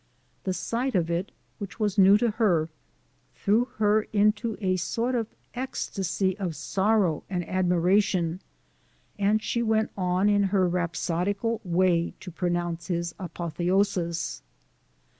The sight of it, which was new to her, threw her into a sort of ecstacy of sorrow and admiration, and she went on in her rhapsodical way to pro nounce his apotheosis.